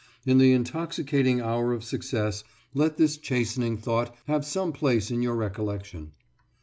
In the intoxicating hour of success let this chastening thought have some place in your recollection.